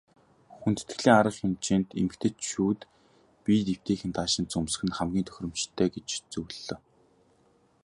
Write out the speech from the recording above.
Хүндэтгэлийн арга хэмжээнд эмэгтэйчүүд биед эвтэйхэн даашинз өмсөх нь хамгийн тохиромжтой гэж зөвлөлөө.